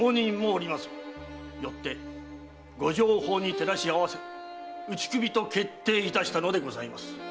よってご定法に照らし合わせ打首と決定したのでございます。